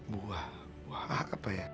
buah buah apa ya